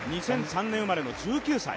２００９年生まれの１９歳。